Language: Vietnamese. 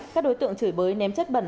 các đối tượng chửi bới ném chất bẩn